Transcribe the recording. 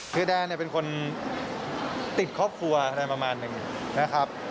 คือแดนเป็นคนติดครอบครัวอะไรประมาณหนึ่งนะครับ